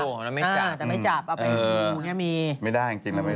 แต่ไม่จับอ๋อไม่จับเอาไปดูแบบนี้ไม่ได้